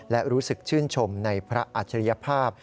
และรู้สึกชื่นชมในพระอัจฉริยภาพ